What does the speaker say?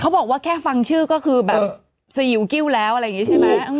บอกว่าแค่ฟังชื่อก็คือแบบสยิวกิ้วแล้วอะไรอย่างนี้ใช่ไหม